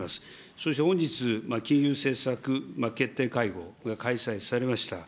そして本日、金融政策決定会合が開催されました。